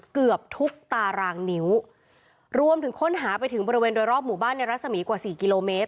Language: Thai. เกือบทุกตารางนิ้วรวมถึงค้นหาไปถึงบริเวณโดยรอบหมู่บ้านในรัศมีกว่าสี่กิโลเมตร